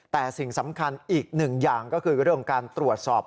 แต่สิ่งสำคัญอีกหนึ่งอย่างก็คือเรื่องการตรวจสอบ